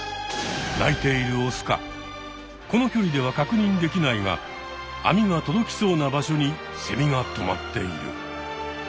鳴いているオスかこの距離ではかくにんできないが網が届きそうな場所にセミがとまっている。